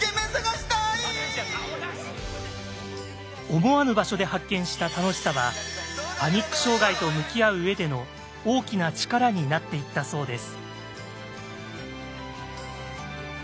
思わぬ場所で発見した楽しさはパニック障害と向き合う上での大きな力になっていったそうです。